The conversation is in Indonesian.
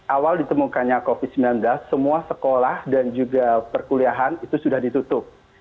awal ditemukannya covid sembilan belas semua sekolah dan juga perkuliahan itu sudah ditutup